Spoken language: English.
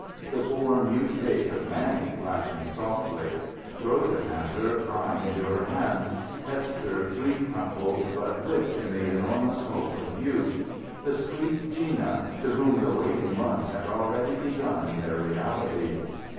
The poor mute face of Mannie, laughing softly. Rosa Kantor crying into her hands. Esther, grief crumpled, but rich in the enormous hope of youth. The sweet Gina, to whom the waiting months had already begun their reality.